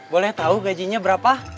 boleh tahu gajinya berapa